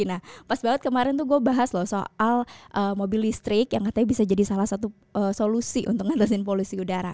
nah pas banget kemarin tuh gue bahas loh soal mobil listrik yang katanya bisa jadi salah satu solusi untuk ngatasin polusi udara